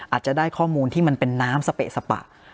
อาจจะได้ข้อมูลที่มันเป็นน้ำสเปะสปะ